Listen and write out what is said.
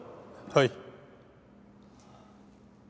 はい。